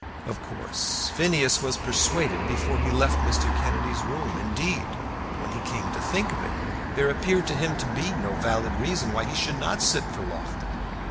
Of course Phineas was persuaded before he left Mr. Kennedy's room. Indeed, when he came to think of it, there appeared to him to be no valid reason why he should not sit for Loughton.